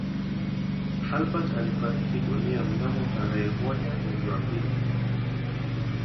Albert alifariki dunia mnamo tarehe moja mwezi wa pili